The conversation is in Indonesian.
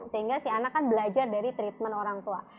sehingga si anak kan belajar dari treatment orang tua